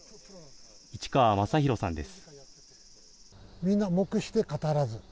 市川正廣さんです。